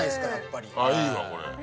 いいわこれ。